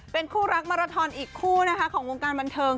เป็นคู่รักมาราทอนอีกคู่นะคะของวงการบันเทิง